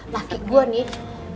laki gue nih udah gue jambak jambak